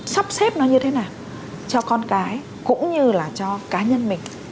sắp xếp nó như thế nào cho con cái cũng như là cho cá nhân mình